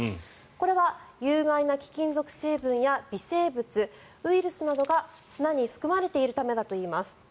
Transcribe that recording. これは有害な貴金属成分や微生物、ウイルスなどが砂に含まれているためだといいます。